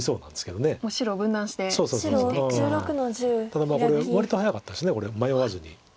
ただこれ割と早かったです迷わずに。